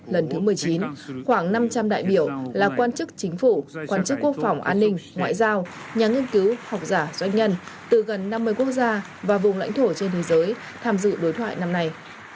lần thứ một mươi chín khoảng năm trăm linh đại biểu là quan chức chính phủ quan chức quốc phòng an ninh ngoại giao nhà nghiên cứu học giả doanh nhân từ gần năm mươi quốc gia và vùng lãnh thổ trên thế giới tham dự đối thoại năm nay